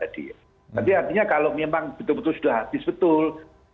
tapi artinya kalau memang betul betul sudah habis betul